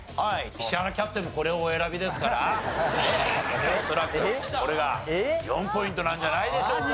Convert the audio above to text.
石原キャプテンもこれをお選びですから恐らくこれが４ポイントなんじゃないでしょうか。